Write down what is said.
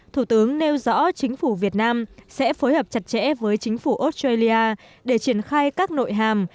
thủ tướng nêu rõ chính phủ việt nam sẽ phối hợp chặt chẽ với chính phủ australia để triển khai các nội hàm